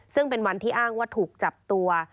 ซึ่งเป็นวันที่อ้างว่าถูกจับตัว